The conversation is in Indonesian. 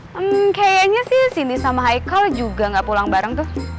hmm kayaknya sih cindy sama haichael juga gak pulang bareng tuh